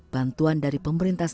bantuan dari pemerintah sejarah